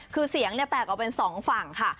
คือเสียงแตกออกเป็นสองฝั่งค่ะ